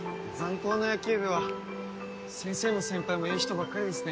高の野球部は先生も先輩もええ人ばっかりですね